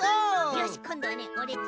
よしこんどはねオレっち